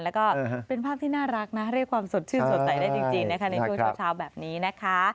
แล้วก็เป็นภาพที่น่ารักนะเรียกความสดชื่นสดใสได้จริงนะคะในช่วงเช้าแบบนี้นะคะ